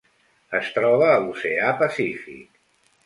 Es troba a l'Oceà Pacífic.